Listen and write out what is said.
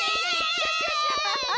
クシャシャシャ！